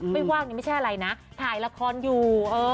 ว่างนี่ไม่ใช่อะไรนะถ่ายละครอยู่